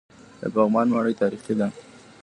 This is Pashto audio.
د پغمان ماڼۍ تاریخي ده